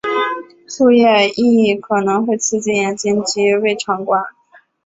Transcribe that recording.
树液亦可能会刺激眼睛及胃肠管。